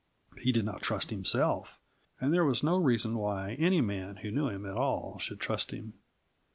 He did not trust himself, and there was no reason why any man who knew him at all should trust him.